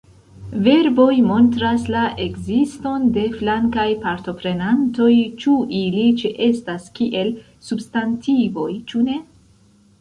Verboj montras la ekziston de flankaj partoprenantoj, ĉu ili ĉeestas kiel substantivoj, ĉu ne.